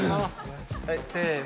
はいせの。